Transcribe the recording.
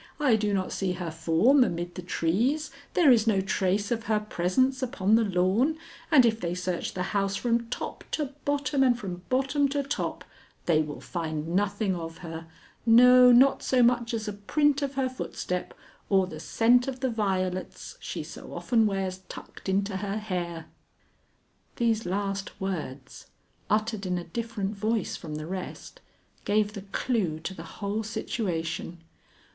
I do not see her form amid the trees, there is no trace of her presence upon the lawn, and if they search the house from top to bottom and from bottom to top they will find nothing of her no, not so much as a print of her footstep or the scent of the violets she so often wears tucked into her hair." These last words, uttered in a different voice from the rest, gave the clue to the whole situation.